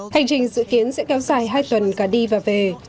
hành trình dự kiến sẽ kéo dài hai tuần cả đi và về